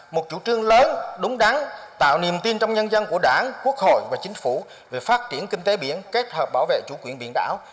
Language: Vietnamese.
một chủ trương lớn đúng đắn tạo niềm tin trong nhân dân của đảng quốc hội và chính phủ về phát triển kinh tế biển kết hợp bảo vệ chủ quyền biển đảo